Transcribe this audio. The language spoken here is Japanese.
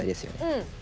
うん。